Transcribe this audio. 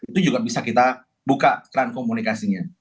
itu juga bisa kita buka keran komunikasinya